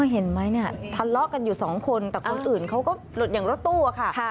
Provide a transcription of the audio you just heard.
เห็นไหมเนี่ยทะเลาะกันอยู่สองคนแต่คนอื่นเขาก็อย่างรถตู้อะค่ะ